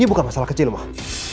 ini bukan masalah kecil mah